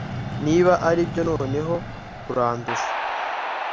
Niba aribyo noneho arandusha